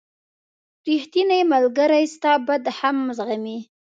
• ریښتینی ملګری ستا بد هم زغمي.